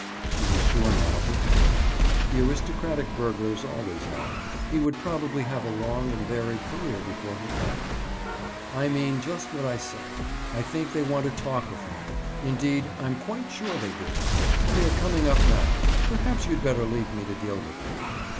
She was sure now he had; the aristocratic burglars always have. He would probably have a long and varied career before him yet. "I mean just what I say. But I think they want to talk with me? Indeed, I'm quite sure they do. They are coming up now. Perhaps you'd better leave me to deal with them."